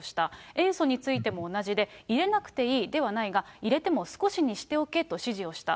塩素についても同じで、入れなくていいではないが、入れても少しにしておけと指示をした。